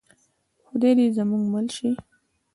خدای دې زموږ مل شي